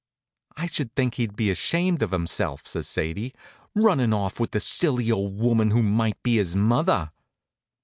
"I should think he'd be ashamed of himself," says Sadie, "running off with a silly old woman who might be his mother."